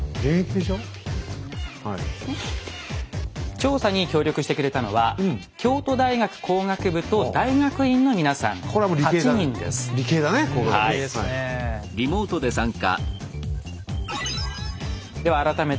調査に協力してくれたのは京都大学工学部と大学院の皆さん８人です。